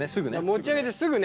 持ち上げてすぐね！